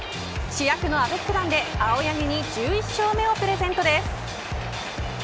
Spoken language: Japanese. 主役のアベック弾で青柳に１１勝目をプレゼントです。